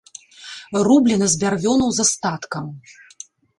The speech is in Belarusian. Рублена з бярвёнаў з астаткам.